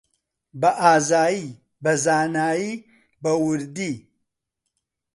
بەئازایی، بەزانایی، بەوردی